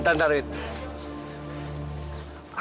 dulu aku ngerasainnya